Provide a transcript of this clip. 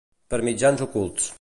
Per mitjans ocults.